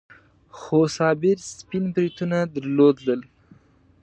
خو صابر سپين بریتونه درلودل.